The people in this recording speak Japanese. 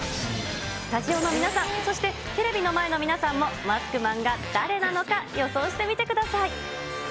スタジオの皆さん、そしてテレビの前の皆さんも、マスクマンが誰なのか、予想してみてください。